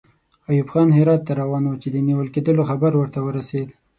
ایوب خان هرات ته روان وو چې د نیول کېدلو خبر ورته ورسېد.